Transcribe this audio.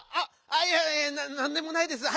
あっいやいやなんでもないです。